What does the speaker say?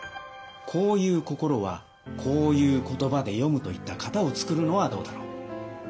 こういう心はこういう言葉で詠むといった型を創るのはどうだろう。